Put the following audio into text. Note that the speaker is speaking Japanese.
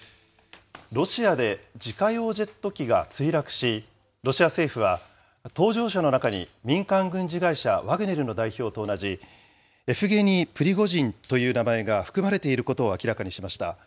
ロシアで自家用ジェット機が墜落し、ロシア政府は、搭乗者の中に民間軍事会社、ワグネルの代表と同じ、エフゲニー・プリゴジンという名前が含まれていることを明らかにしました。